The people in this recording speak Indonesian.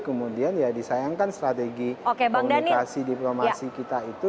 kemudian ya disayangkan strategi komunikasi diplomasi kita itu